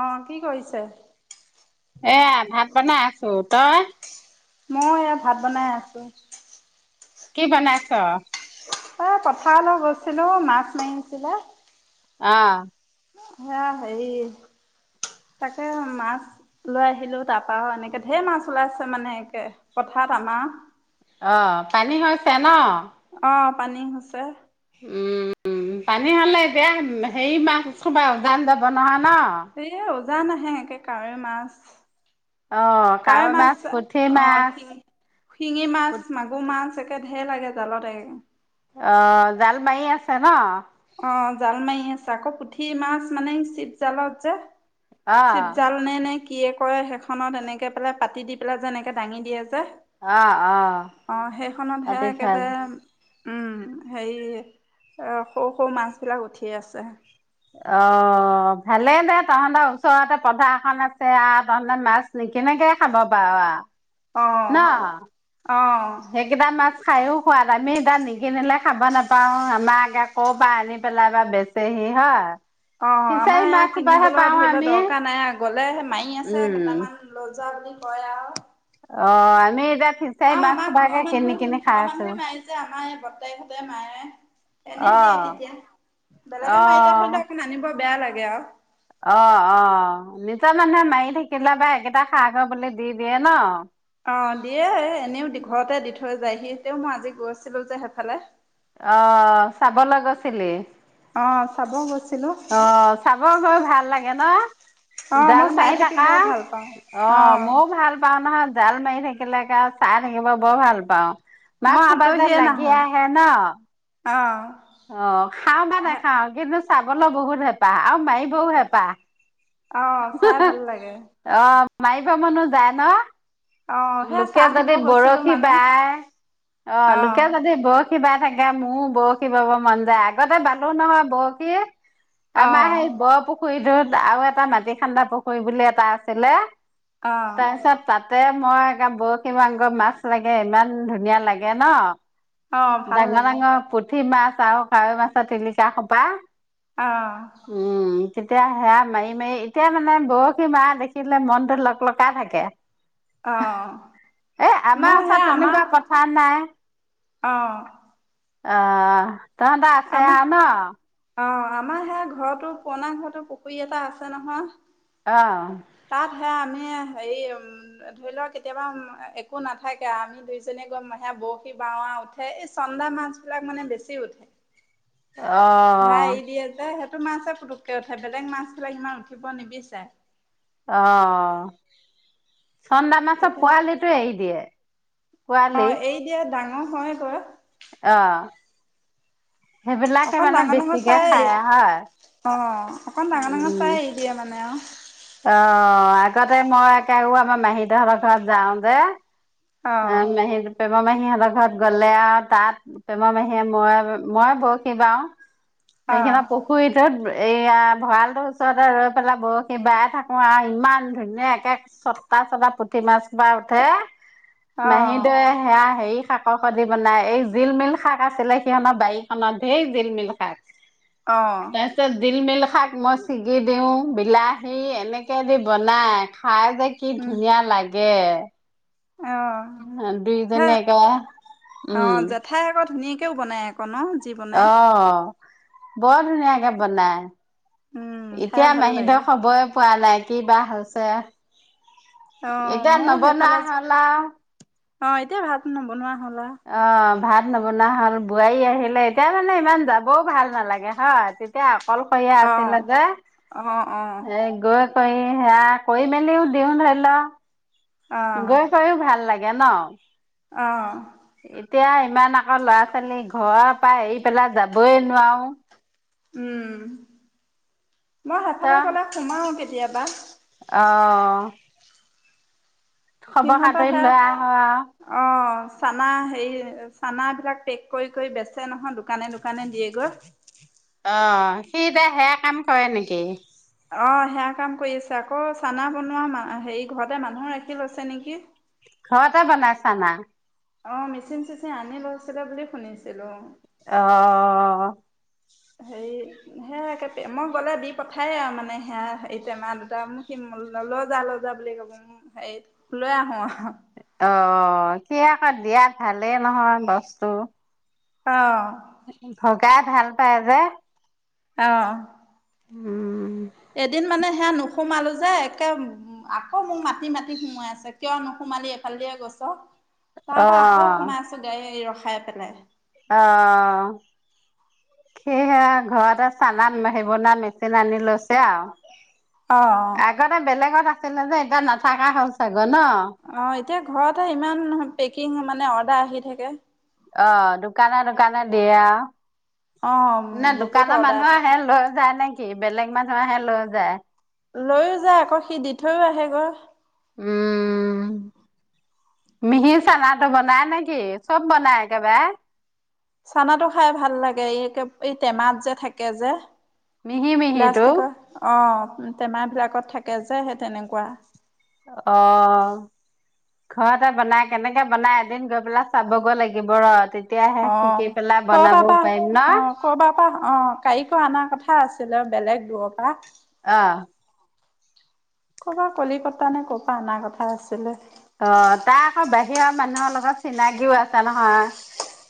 অ' কি কৰিছে? এয়া ভাত বনাই আছো, তই? মই এ ভাত বনাই আছো। কি বানাইছ? অ' পথাৰলৈ গৈছিলো মাছ মাৰিছিলো অ' এয়া হেৰি তাকে মাছ লৈ আহিলো তাৰপা এনেকে ধেৰ মাছ ওলাইছে মানে একে। পথাৰত আমাৰ। অ' পানী হৈ ছেন অ' পানী হৈছে উম উম পানী হ'লে এতিয়া হেৰি মাছ সোপা উজান যাব নহয়। ন এই উজান আহে এনেকে কাৱৈ মাছ অ কাৱৈ মাছ পুঠি অ মাছ শি শিঙি মাছ মাগুৰ মাছ এ ঢেৰ লাগে জালত একদম। অ' জাল মাৰি আছে ন? অ জাল মাৰি আছে আকৌ পুঠি মাছ মানে চিপ জালত যে অ চি জাল নে নে কি কিয় কয় সেইখনত এনেকে পেলাই পাতি দি পেলাই যে এনেকে দাঙি দিয়ে যে অ অ সেইখনতহে পাতি থৈ একেবাৰে উম হেৰি অ' সৰু সৰু মাছবিলাক উঠিয়ে আছে। অ' ভালেই দে তহ'তৰ ওচৰতে পথাৰ খন আছে আৰু তহ'তে মাছ নিকিনেকে খাব পাৰ আৰু। অ' অ' হেইকেতা ম মাছ খাইাওঁ সোৱাদ, আমি এতিয়া নিকিনিলে খাব নাপাওঁ। আমাৰ আগে আকৌ পৰা আনি পেলাই বা বেচেহি হয়। অ' ফিচাৰী আমাৰ ইয়া মাছ সোপাহে কিনিবলৈ পাওঁ ধৰি লও আমি দৰকাৰ নাই। গ'লে মাৰি আছে উম কেইটামান লৈ যোৱা বুলি কয় আৰু অ', আমি এটিয়া আৰু আমাৰ ঘৰৰ মানুহ, ঘৰৰ আছো মানুহে মাৰেযে আমাৰ এই বৰ্তাকহঁতে মায়ে, এনেই দিয়ে অ' তেতিয়া। বেলেগে মাৰিলে অ' ধৰিলেক অকণ আনিব বেয়া লাগে। গে আও। তা মানুহে মাৰি থাকিলে বা একেইটা খা গৈ বুলি দি দিয়ে ন। অ', দিয়ে এনেও ঘৰতে দি থৈ যায়হি, তেও মই আজি গৈ আছিলো যে সেইফালে। অ' চাবলৈ গৈছিলি? অ, চাব গৈছ অ', চাব গৈ ভাল লাগে ন? অ জাল মই চাই মাৰি থাকি থাকা। বৰ ভাল পাওঁ অ', মইও ভাল পাওঁ নহয়। জাল মাৰি থাকিলে একা চাই থাকিব বৰ ভাল পাওঁ। মাছ মই সোপা যে আঁতহিয়ে লাগি নাহো আহে ন অ', খাও বা নাখাও, কিন্তু চাব মোৰো বহুত হেপাহ আউ [unintelligible] হেঁপাহ, অ চাই ভাল লাগে অ, মাই কিবা মানুহ যায় ন? অ সেই লোকে চাহ দিব যদি গৈছিলো বৰশী মানে বাই, অ, লোকে যদি বৰশী বাই থাকে কে মোৰো বৰশী বাব মন যায়, আগতে বান্ধু নহয় বৰশী অ আমাৰ সেই বৰ পুখুৰীটোত আৰু এটা মাটি খান্দা পুখুৰী বুলি এটা আছিলে। অ তাৰপিছত তাতে মই একে বৰশী [unintelligible] মাছ লাগে ইমান ধুনীয়া লাগে ন'। অ ভাল ডাঙৰ লাগে ডাঙৰ পুঠ পুঠি মাছ আৰু কাৱৈ মাছৰ টিলিকা সোপা। অ উম, তেতিয়া সেয়া মাৰি-মাৰি এতিয়া মানে বৰশী মাৰা দেখিলে মনটো লক-লকাই থাকে। অ এ মই আমাৰ ওচৰত সেই আমাৰ তেনেকুৱা পথাৰ নাই। অ', অ', তহত আছে আমাৰ আৰু ন? অ, আমাৰ সেয়া ঘৰতো, পুৰণা ঘৰতো পুখুৰী এটা আছে নহয়। অ', তাত হে আমি হেৰি ধৰি লওক কেতিয়াবা একো নাথাকে আ, আমি দুইজনী গই সেয়া বৰশী বাও আৰু উঠে এই চন্দা মাছ বিলাক মানে বেছি উঠে। হেয়া অহ এৰি দিয়ে যে, সেইটো মাছে পুটোক কে উঠে। বেলেগ মাছবিলাক ইমান উঠিব নিবিচাৰে। অ'। চন্দা মাছৰ তাপা পোৱালিটো এৰি দিয়ে। পোৱালি অ', এই দিয়া, ডাঙৰ হয় কৰা অ'। সেইবিলাকে অকণ মানে ডাঙৰ-ডাঙৰ বেছিকে চাই, খায় হয়। অ', অকণ ডাঙৰ-ডাঙৰ উম চাই এৰি দিয়ে, মানে, আৰু অ', আগতে মই একে, উ, আমাৰ মাহী-দেউহঁতৰ ঘৰত যাওঁ যে অ [unintelligible] সিহঁতৰ ঘৰত গ'লে, আৰু, তাত, প্ৰেমা মাহীয়ে, মই, মই, বৰশী বাওঁ সেই, অ', সিহঁতৰ পুখুৰীটোত এইয়া, ভঁৰালটোৰ ওচৰতে ৰৈ পেলাই বৰশী বাই থাকোঁ আৰু ইমান ধুনীয়া একে চটা-চটা পুঠি মাছ সোপা উঠে অ', মাহী-দেউয়ে সেইয়া হেৰি শাকৰ সৈতে বনায়। এই জিলমিল শাক আছিলে সিহঁতৰ বাৰীখনত, ধেৰ জিলমিল শাক। অ', তাৰপিছত জিলমিল শাক মই ছিগি দিওঁ, বিলাহী, এনেকে দি বনায়। খাই যে কি উম, ধুনীয়া লাগ গে অ', হে দুইজনীয়ে একেবাৰে, উম কেও বনাই আক ন যি বনাই। অ'। বৰ ধুনীয়াকে উম বনায়। খাই এতিয়া ভাল লাগে মাহী-দেউৰ খবৰে পোৱা নাই। কি বা হৈছে অ এতিয়া ময়ো নবনোৱা সেইফালে হ'ল আৰু। অ', এতিয়া ভাত নবনোৱা হ'লা অ', ভাত নবনোৱা হ'ল। বোৱাৰী আহিলে, এতিয়া মানে ইমান যাবওঁ ভাল নালাগে, হয়, তেতিয়া অকলশৰীয়া অ আছিলে যে, অ অ এ গৈ কৰি সেইয়া কৰি মেলিওঁ দিওঁ ধৰি ল অ গৈ কৰিওঁ ভাল লাগে। লাগে ন। অ'। এতিয়া ইমান আকৌ ল'ৰা ছোৱালী ঘৰৰ পৰা এৰি পেলাই যাবই নোৱাৰোঁ। উম। মই ত সেইফালে গ'লে সোমাও তেতি। কেতিয়াবা। অ' খবৰ সিহঁতৰ খাতৰি সে লৈ আহোঁ আৰু। অ চানা হে চানা বিলাক পেক কৰি কৰি বেচে নহয়। দোকানে দোকানে দিয়েগৈ অ' সেই সেয়া কাম কৰে নেকি। অ 'সেয়া কাম কৰি আছে আকৌ চানা বনোৱা হেৰি ঘৰতে মানুহো ৰাখি লৈছে নেকি। ঘৰতে বনাই চানা। অ' মিচিন চিচিন আনি লৈছিলে বুলি শুনিছিলোঁ। অ' হেৰি সে মই গ'লে দি পঠায়েই আৰু মানে সেয়া এইতেমা দুটা মোক সি ল যা ল যা বুলি কব মোক হে লৈ আহোঁ আৰু। অ'সি আকৌ দিয়াত ভালেই নহয় বস্তু। অ' [inaudible] তাই ভাল পাই যে। অ' উম এদিন মানে হেনো। নোসোমালো যে একে আকৌ মোক মাতি মাতি সোমাই ছে কিয় নোসোমালি এইফালে দিয়ে গৈছ। তাৰ অ পৰা আকৌ সোমাইছোঁ গে গাড়ী ৰখা। খাই পেলাই। অ' সেইহে ঘৰতে চানা বনা মেচিন আনি লৈছে আৰু। অ' অ' আগতে বেলেগত। আছিলে যে এবাৰ নাথাকা হ'ল চাগে। [inaudible] অ' এতিয়া ঘৰতে ইমান পেকিং মানে অৰ্ডাৰ আহি থাকে। অ 'দোকানে দোকানে দিয়া। অ' নে বহুত দোকানৰ অৰ্ডাৰ মানুহ থাকে আহে লৈ যায় নে। কি বেলেগ মানুহ আহে লৈ যায়। লৈয়ও যায় আকৌ সি দি থৈও আহে গৈ। উম মিহি চানাটো বনাই নেকি চব বনাই একেবাৰে। চানাটো খাই ভাল লাগে এই এই টেমাত যে থাকে যে। মিহি মিহিটো প্লাষ্টিকৰ অ'। টেমা বিলাকত থাকে যে সেই তেনেকুৱা। অ 'ঘৰতে বনাই কেনেকে বনাই এদিন গৈ পেলাই চাবগৈ লাগিব ৰ। তেতিয়াহে শিকি অ' পেলাই ক বনাবও বাবা পাৰিম ন অ ক বাপা অ' কাৰিকো অনা কথা আছে। আছিলে বেলেগ দূৰৰ পৰা। অহ', ক'ব কলিকতা নে ক'ব পৰা এনা কথা আছিলে। অ, তাৰ আকৌ বাহিৰৰ মানুহৰ লগত চিনাকিও আছে নহয়।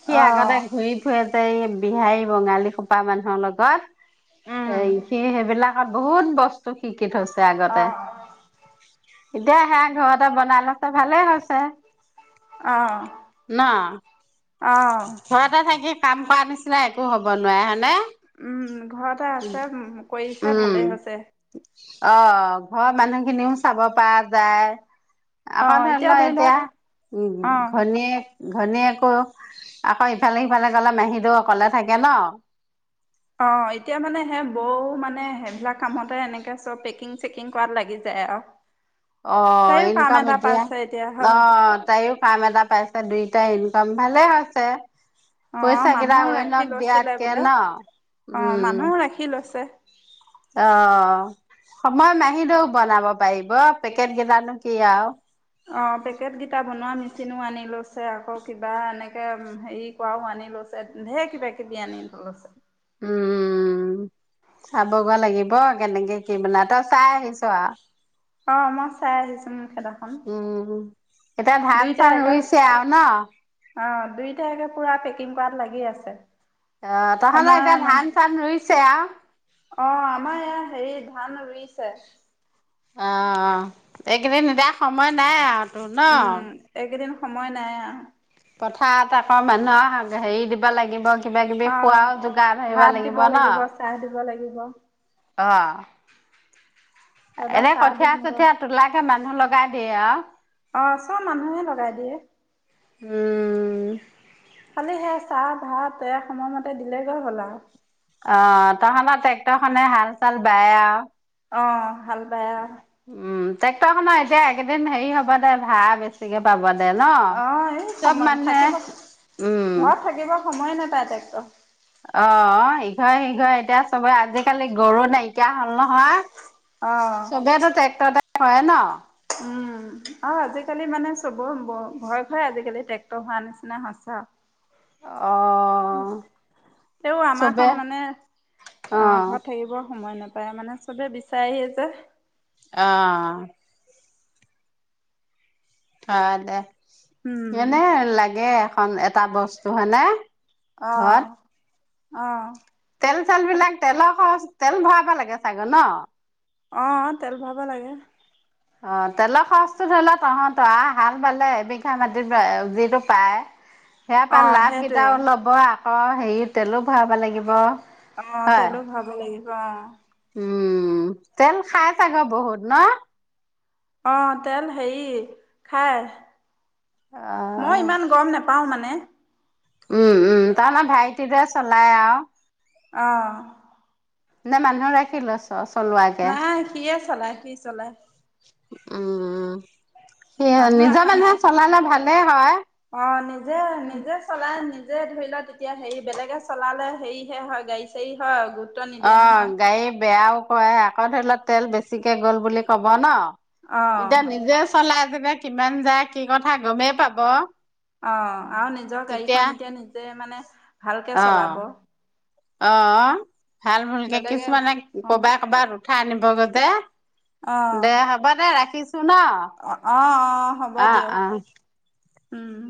সি অ আগতে ঘূৰি ফুৰে বিহাৰী বঙালী খোপা মানুহৰ লগত উম এই সি সেইবিলাক আৰু বহুত বস্তু শিকি থৈছে। অ আগতে ', এতিয়া আহে ঘৰতে বনাই ল ত ভালে হৈছে। অ। ন। অ ভয় এটা থাকি কাম কৰা নিচিনা একো হ'ব নোৱাৰে হয়নে? উম, ঘৰতে আছে উম কৰিছে উম ভালে হৈছে। অ ঘৰৰ মানুহখিনিও চাব পাৰা যায়। আকৌ ধৰি ল এতিয়া উম অ ঘৈনীয়েক ঘৈনীয়েকো আকৌ ইফালে সিফালে গলে মেহিটো অকলে থাকে ন? অ এতিয়া মানে সেই বৌ মানে সেইবিলাক কামতে এনেকে চব পেকিং - চেকিং কৰাত লাগি যায় আৰু। অ তাইও কাম ইনকাম এটা এতিয়া, পাইছে এতিয়া অ হয় তাই ফাৰ্ম এটা পাইছে দুইটা ইনকাম ভালে হৈছে। অ পইচা কেইটা মানুহ অইনক ৰাখি লৈছিলে দিয়াতকে বোলে, ন অ উম মানুহ ৰাখি লৈছে। অ, সময় মাহিদেও বনাব পাৰিব, পেকেট কেইটানো কি আৰু। অ পেকেটগিটা বনোৱা মেচিনো আনি লৈছে আকৌ কিবা এনেকে উম হেৰি কৰাও আনি লৈছে, ঢেৰ কিবা - কিবি আনি লৈছে। উম, চাবগৈ লাগিব কেনেকে কি বনাই তই চাই আহিছ? অ মই চাই আহিছো মোৰ খেদাখন উম এতিয়া ধান - চান ৰুইছে আৰু ন? অঁ দুই একে পুৰা পেকিং কৰাত লাগি আছে, আহ তাহলে সময় এতিয়া মানে ধান ৰুইছে আৰু,, অ আমাৰ ইয়াত হেৰি ধান ৰুইছে,, অ এইকেইদিন নিদা সময় নাই আৰু তোৰ ন উম এইকিদিন - - সময় নাই আৰু, কথাত আকৌ মানুহক হেৰি দিব লাগিব। কিবা কিবি অ খোৱাও যোগাৰ ধৰিব ভাত দিব লাগিব চাহ দিব লাগিব, অঁ এবাৰ এনে চাহ কঠিয়া দিম ৰ চঠীয়া তোলাকে মানুহ লগ চাহ দিয়ে আৰু। অ' চব মানুহে লগাই দিয়ে। উম খালি সেই চাহ ভাত এয়া সময় মতে দিলে গৈ হ'ল আৰু। অ' তহ'তৰ ট্ৰেক্টৰ খনে হাল চাল বাই আৰু। অঁ হাল বায় আৰু। উম ট্ৰেক্টৰ খনৰ এতিয়া একেইদিন হেৰি হ'ব দে ভা়ঢ়া বেছিকে পাব দে। ন? অ' এই চব সময় মানুহে থাকিব উম। ঘৰত থাকিব সময়ে নাপাই টেক্টৰ। অ' সিঘৰ সিঘৰ এতিয়া চবে আজিকালি গৰু নাইকিয়া হ'ল নহয়। অ চবেইটো ট্ৰেক্টৰ এটা হয় ন। উম আৰু আজিকালি মানে চবৰ ঘৰে ঘৰে আজিকালি ট্ৰেক্টৰ হোৱা নিচিনা হৈছে। অ' তেওঁ আমাৰ চবে খন মানে আহ অ' ঘৰত থাকিবৰ সময় নাপায়। পায় মানে চবে বিচাৰিয়ে যে। অ' থ দে। উম যেনে লাগে। এটা বস্তু হয়নে? আহ। ঘৰত? অহ। তেল, চেল বিলাক তেলৰ খৰচ তেল ভৰাবা লাগে চাগে ন? অহ, তেল ভৰাব লাগে। অহ, তেলৰ খৰচটো ধৰি লোৱা তহঁত। হাল বালে এবিঘা মাটিত যিটো পায় সেয়া পাৰ অ', লাভ সেইটোৱে কেইটা ল'ব অঁহ, হেৰি তেলো ভৰাব লাগিব অহ, হয় তেলো ভৰাব লাগিব অঁহ '। উম, তেল খাই চাগে বহুত ন? অহ, তেল হেৰি অ খাই মই ইমান গম নাপাওঁ মানে উম, উম, তাৰমানে আমাৰ ভাইটি টোয়ে চলাই আৰু। আহ'। নে মানুহ ৰাখি লৈছে। নাই, সিয়ে চলায় সি চলায়। উম। সি মানুহ নিজৰ ৰখা মানুহে নাই? চলালে ভালেই হয় অ' নিজে নিজে চলাই নিজে ধৰি ল তেতিয়া হেৰি বেলেগে চলালে হেৰি হে হয় গাড়ী চাড়ী হয়। অ নিদিয়ে নহয় গাড়ী বেয়াও কয় আকৌ ধৰি লওঁক তেল বেছিকে গ'ল বুলি ক'ব ন? অ', এতিয়া নিজে চলাই তেতিয়া কিমান যায় কি কথা গমেই পাব। অ। আৰু নিজৰ গাড়ীখন তেতিয়া এতিয়া নিজে মানে ভালকে অ চলাব অ ভাল ভুলকে বেলেগে কিছুমানে অ'। কবাই কবাত উঠাই আনিব গৈ। যে অঁ দে হ'ব দে ৰাখিছো ন অঁ অঁ হ'ব অ দিয়ক অ। উম।